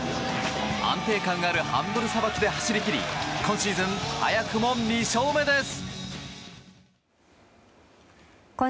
安定感があるハンドルさばきで走り切り今シーズン早くも２勝目です。